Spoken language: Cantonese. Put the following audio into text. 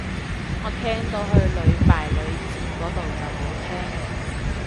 我聽到去屢敗屢戰個到就冇聽